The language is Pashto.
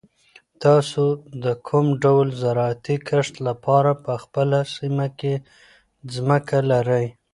تاسو د کوم ډول زراعتي کښت لپاره په خپله سیمه کې ځمکه لرئ؟